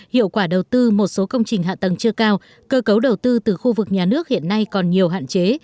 hiệu quả đầu tư một số công trình hạ tầng chưa cao cơ cấu đầu tư từ khu vực nhà nước hiện nay còn nhiều hạn chế